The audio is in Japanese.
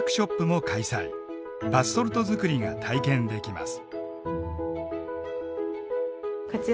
バスソルト作りが体験できます。